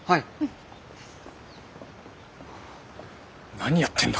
何やってんだ？